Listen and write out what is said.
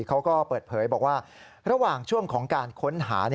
เขาก็เปิดเผยบอกว่าระหว่างช่วงของการค้นหา